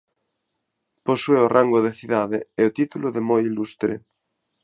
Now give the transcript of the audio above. Posúe o rango de cidade e o título de "Moi Ilustre".